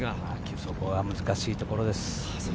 そこは難しいところです。